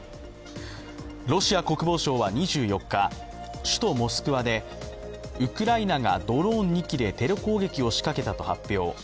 ロシア国防省は２４日、首都モスクワでウクライナがドローン２機でテロ攻撃をしかけたと発表。